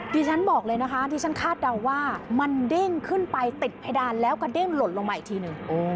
ดิฉันบอกเลยนะคะดิฉันคาดเดาว่ามันเด้งขึ้นไปติดเพดานแล้วกระเด้งหล่นลงมาอีกทีหนึ่ง